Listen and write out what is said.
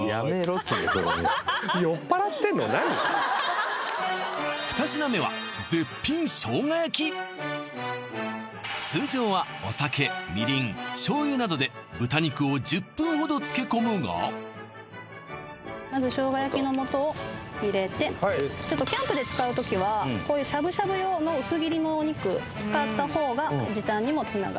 っつーのそういうのもう２品目は通常はお酒みりん醤油などで豚肉を１０分ほど漬け込むがまずちょっとキャンプで使う時はこういうしゃぶしゃぶ用の薄切りのお肉使った方が時短にもつながります